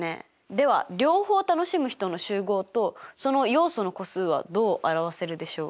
では両方楽しむ人の集合とその要素の個数はどう表せるでしょう？